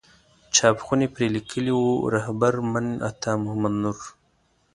چاپ خونې پرې لیکلي وو رهبر من عطا محمد نور.